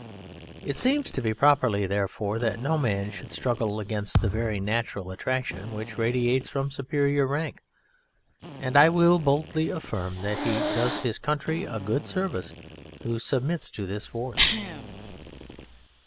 It seems to be proper, therefore, that no man should struggle against the very natural attraction which radiates from superior rank, and I will boldly affirm that he does his country a good service who submits to this force.